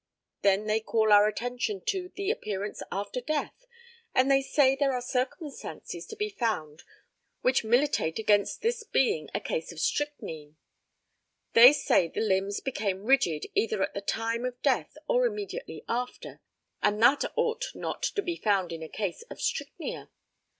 Then they call our attention to the appearances after death, and they say there are circumstances to be found which militate against this being a case of strychnine. They say the limbs became rigid either at the time of death or immediately after, and that ought not to be found in a case of strychnia.